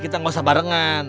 kita nggak usah barengan